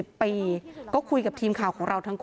อยู่ดีมาตายแบบเปลือยคาห้องน้ำได้ยังไง